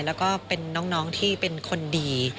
แล้วก็เป็นน้องที่เป็นคนดี